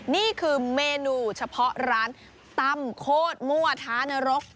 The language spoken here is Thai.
นี่คือเมนูเฉพาะร้านตำโคตรมั่วท้านรก